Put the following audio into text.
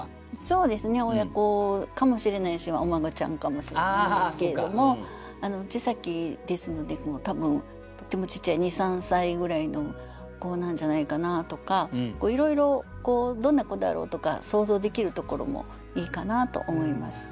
そうですね親子かもしれないしお孫ちゃんかもしれないですけれども「小さき」ですので多分とてもちっちゃい２３歳ぐらいの子なんじゃないかなとかいろいろどんな子だろうとか想像できるところもいいかなと思います。